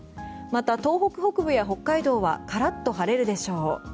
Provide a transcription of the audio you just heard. また、東北北部や北海道はカラッと晴れるでしょう。